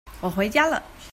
我回家了